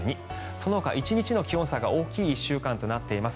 そのほか、１日の気温差が大きい１週間となっています。